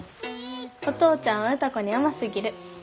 お父ちゃんは歌子に甘すぎる。